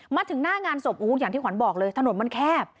มาถึงหน้างานศพอย่างที่ขวัญบอกเลยถนนมันแคบ